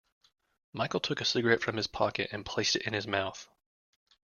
Michael took a cigarette from his pocket and placed it in his mouth.